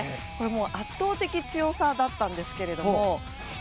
圧倒的強さだったんですけれども。